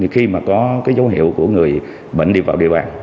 khi có dấu hiệu của người bệnh đi vào địa bàn